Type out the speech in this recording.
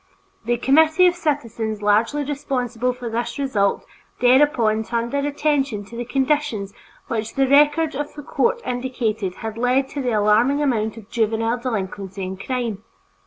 The committee of citizens largely responsible for this result thereupon turned their attention to the conditions which the records of the court indicated had led to the alarming amount of juvenile delinquency and crime.